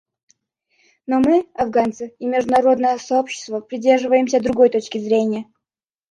Но мы, афганцы, и международное сообщество придерживаемся другой точки зрения.